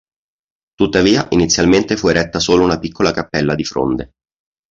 Tuttavia, inizialmente fu eretta solo una piccola cappella di fronde.